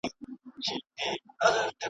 بیا موسم د شګوفو سو غوړېدلی ارغوان دی .